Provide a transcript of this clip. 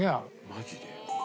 マジで？